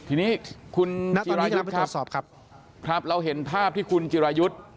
ทีนี้คุณนัทจิรายุทธ์ครับครับเราเห็นภาพที่คุณจิรายุทธ์